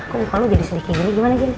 kok muka lu jadi sedih kayak gini gimana gini